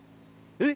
えっ？